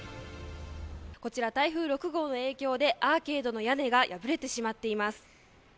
こちら、台風６号の影響でアーケードの屋根が破れてしまっています。